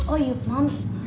oh yup mams